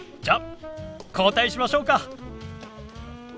じゃあ交代しましょうか。